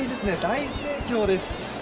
大盛況です。